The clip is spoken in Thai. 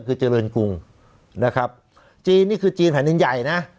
คือเจริญกรุงนะครับจีนนี่คือจีนแผ่นดินใหญ่นะ